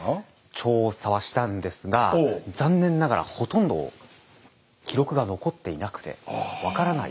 調査はしたんですが残念ながらほとんど記録が残っていなくて分からない。